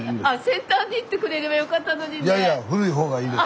センターに行ってくれればよかったのにね。